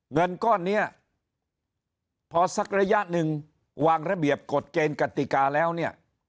เงินก้อนนี้พอสักระยะหนึ่งวางระเบียบกฎเกณฑ์กติกาแล้วเนี่ย